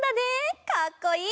かっこいい！